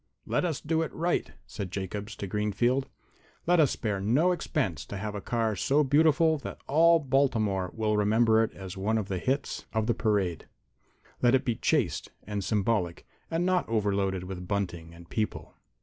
"Let us do it right," said Jacobs to Greenfield. "Let us spare no expense to have a car so beautiful that all Baltimore will remember it as one of the hits of the parade. Let it be chaste and symbolic, and not overloaded with bunting and people."